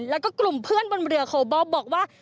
แล้วก็กลุ่มเพื่อนบนเรือโคบอลบอกว่า